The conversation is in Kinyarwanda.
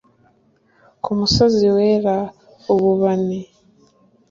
ku musozi wera ububani